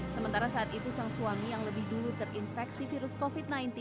sementara saat itu sang suami yang lebih dulu terinfeksi virus covid sembilan belas